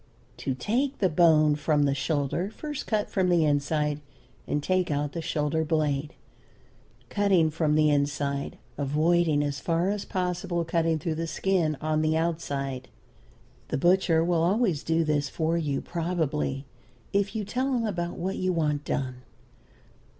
To take the bone from the shoulder, first cut from the inside and take out the shoulder blade, cutting from the inside, avoiding as far as possible cutting through the skin on the outside. The butcher will always do this for you probably, if you tell him about what you want done.